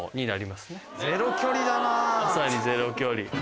まさにゼロ距離。